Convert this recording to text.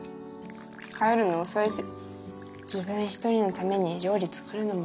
帰るの遅いし自分一人のために料理作るのもね。